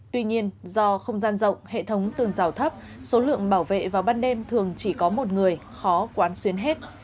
tuy nhiên do không gian rộng hệ thống tường rào thấp số lượng bảo vệ vào ban đêm thường chỉ có một người khó quán xuyến hết